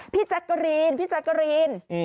พี่แจ็คเกอรีนพี่แจ็คเกอรีน